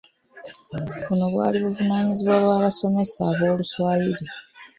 Buno bwali buvunaanyizibwa bw'abasomesa b'Oluswayiri.